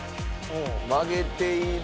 曲げている。